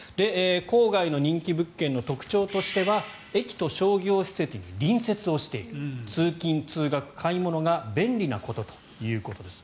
郊外の人気物件の特徴としては駅と商業施設に隣接している通勤・通学、買い物が便利なことということです。